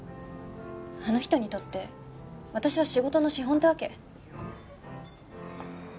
あの人にとって私は仕事の資本ってわけ。